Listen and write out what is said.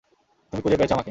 তুমি খুঁজে পেয়েছ আমাকে।